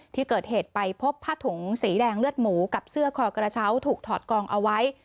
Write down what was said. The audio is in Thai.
ที่เกิดเหตุไปพบผ้าถุงสีแดงเลือดหมูกับเสื้อคอกระเช้าถูกถอดกองเอาไว้